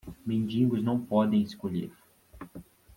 Mendigos não podem escolher.